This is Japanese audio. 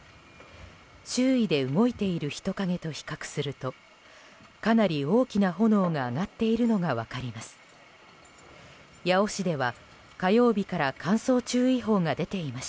周囲で動いている人影と比較するとかなり大きな炎が上がっているのが分かります。